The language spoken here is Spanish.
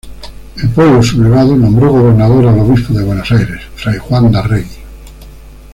El pueblo sublevado nombró gobernador al obispo de Buenos Aires, Fray Juan de Arregui.